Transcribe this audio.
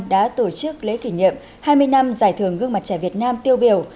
đã tổ chức lễ kỷ niệm hai mươi năm giải thưởng gương mặt trẻ việt nam tiêu biểu